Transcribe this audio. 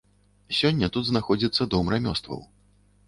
Сёння тут знаходзіцца дом рамёстваў.